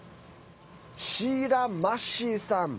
シーラ・マッシーさん。